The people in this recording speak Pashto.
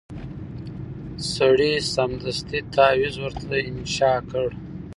سړي سمدستي تعویذ ورته انشاء کړ